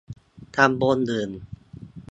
ตำบลอื่น